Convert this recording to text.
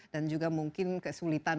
dan juga mungkin juga keguguran